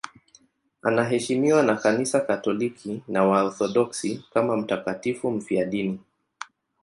Anaheshimiwa na Kanisa Katoliki na Waorthodoksi kama mtakatifu mfiadini.